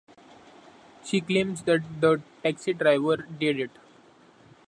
She claims that the taxi driver did it.